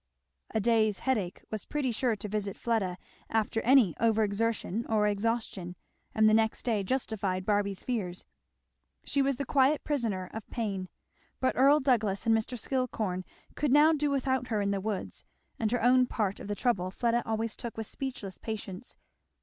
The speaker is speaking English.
A day's headache was pretty sure to visit Fleda after any over exertion or exhaustion, and the next day justified Barby's fears. She was the quiet prisoner of pain. But Earl Douglass and Mr. Skillcorn could now do without her in the woods; and her own part of the trouble Fleda always took with speechless patience.